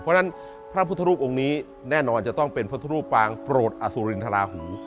เพราะฉะนั้นพระพุทธรูปองค์นี้แน่นอนจะต้องเป็นพุทธรูปปางโปรดอสุรินทราหู